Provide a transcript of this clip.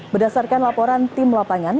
berdasarkan laporan tim lapangan